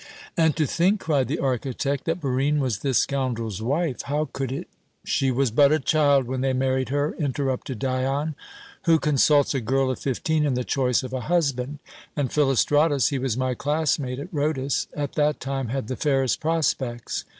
"And to think," cried the architect, "that Barine was this scoundrel's wife! How could it be " "She was but a child when they married her," interrupted Dion. "Who consults a girl of fifteen in the choice of a husband? And Philostratus he was my classmate at Rhodus at that time had the fairest prospects.